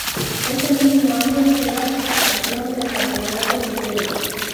Ese mismo año queda subcampeón del campeonato liguero.